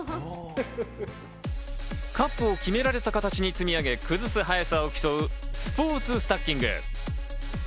カップを決められた形に積み上げて崩す速さを競うスポーツスタッキング。